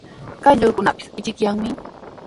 Quyllurkunapis achikyanmi.